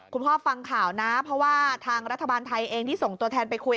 ฟังข่าวนะเพราะว่าทางรัฐบาลไทยเองที่ส่งตัวแทนไปคุย